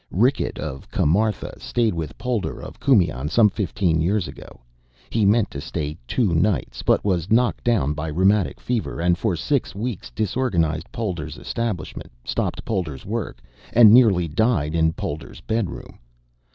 Rickett of Kamartha stayed with Polder of Kumaon some fifteen years ago. He meant to stay two nights, but was knocked down by rheumatic fever, and for six weeks disorganized Polder's establishment, stopped Polder's work, and nearly died in Polder's bedroom.